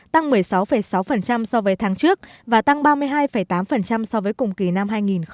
tăng một mươi sáu sáu so với tháng trước và tăng ba mươi hai tám so với cùng kỳ năm hai nghìn một mươi tám